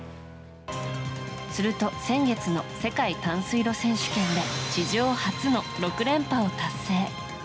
すると先月の世界短水路選手権で史上初の６連覇を達成。